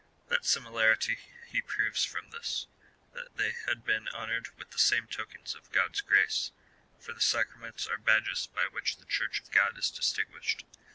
'' That similarity he proves from this — that they had been honoured with the same tokens of God's grace, for the sacra ments are badges by which the Church of God is distin guished.